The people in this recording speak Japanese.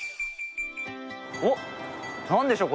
おっ何でしょう？